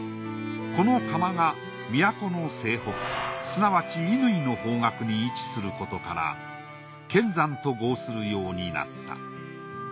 この窯が都の西北すなわち乾の方角に位置することから乾山と号するようになった。